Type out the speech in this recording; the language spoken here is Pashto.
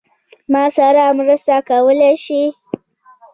ما سره مرسته کولای شې؟